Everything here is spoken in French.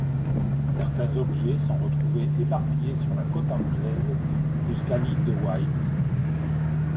Certains objets sont retrouvés éparpillés sur la côte anglaise jusqu'à l'île de Wight.